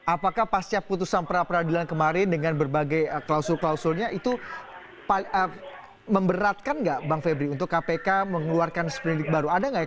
apakah pasca putusan pra peradilan kemarin dengan berbagai klausul klausulnya itu memberatkan nggak bang febri untuk kpk mengeluarkan seperindik baru ada nggak